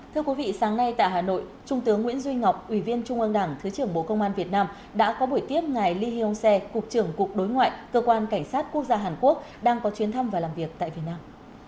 thưa quý vị sáng nay tại hà nội trung tướng nguyễn duy ngọc ủy viên trung ương đảng thứ trưởng bộ công an việt nam đã có buổi tiếp ngài lyon xe cục trưởng cục đối ngoại cơ quan cảnh sát quốc gia hàn quốc đang có chuyến thăm và làm việc tại việt nam